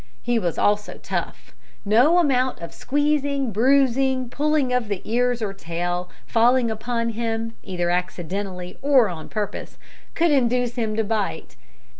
He was also tough. No amount of squeezing, bruising, pulling of the ears or tail, or falling upon him, either accidentally or on purpose, could induce him to bite.